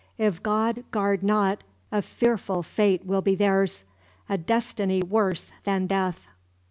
If God guard not, a fearful fate will be theirs a destiny worse than death!"